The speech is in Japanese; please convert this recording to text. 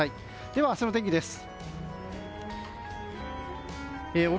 では、明日の天気です。